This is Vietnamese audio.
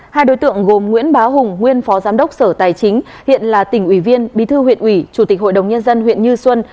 hai đối tượng gồm nguyễn bá hùng nguyên phó giám đốc sở tài chính hiện là tỉnh ủy viên bí thư huyện ủy chủ tịch hội đồng nhân dân huyện như xuân